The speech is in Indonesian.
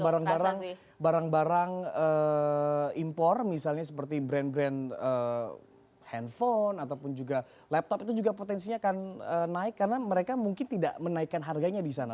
barang barang impor misalnya seperti brand brand handphone ataupun juga laptop itu juga potensinya akan naik karena mereka mungkin tidak menaikkan harganya di sana